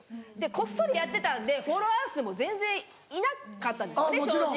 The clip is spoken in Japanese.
こっそりやってたんでフォロワー数も全然いなかったんですよね正直。